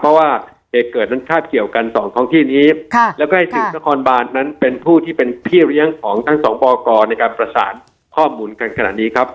เพราะว่าเหตุเกิดนั้นคาบเกี่ยวกันสองท้องที่นี้แล้วก็ให้สื่อนครบานนั้นเป็นผู้ที่เป็นพี่เลี้ยงของทั้งสองปกรในการประสานข้อมูลกันขนาดนี้ครับ